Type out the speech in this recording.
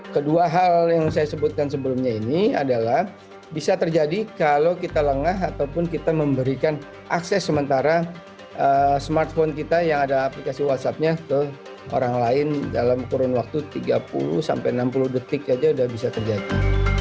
kedua hal yang saya sebutkan sebelumnya ini adalah bisa terjadi kalau kita lengah ataupun kita memberikan akses sementara smartphone kita yang ada aplikasi whatsappnya ke orang lain dalam kurun waktu tiga puluh sampai enam puluh detik saja sudah bisa terjadi